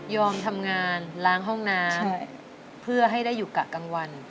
ทำงานล้างห้องน้ำเพื่อให้ได้อยู่กะกลางวัน